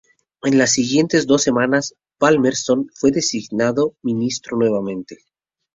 En las siguientes dos semanas, Palmerston fue designado ministro nuevamente.